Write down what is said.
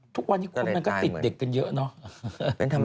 ทุกวันนี้คนมันก็ติดเด็กกันเยอะเนอะ